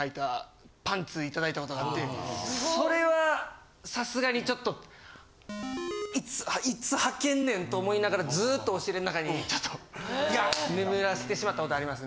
それはさすがにちょっといつはけんねんと思いながらずっと押し入れの中に眠らせてしまったことあります。